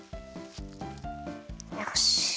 よし。